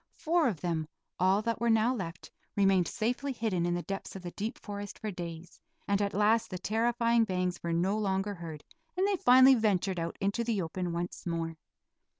Four of them, all that were now left, remained safely hidden in the depths of the deep forest for days, and at last the terrifying bangs were no longer heard, and they finally ventured out into the open once more.